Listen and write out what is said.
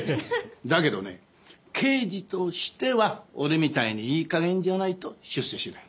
だけどね刑事としては俺みたいにいい加減じゃないと出世しない。